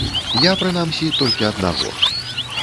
Я, прынамсі, толькі аднаго.